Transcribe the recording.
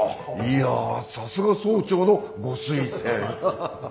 いやさすが総長のご推薦。